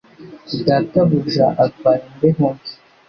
Databuja arwaye imbeho mbi.